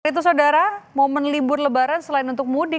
itu saudara momen libur lebaran selain untuk mudik